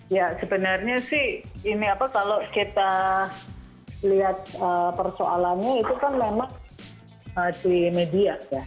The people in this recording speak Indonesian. ya sebenarnya sih ini apa kalau kita lihat persoalannya itu kan memang di media ya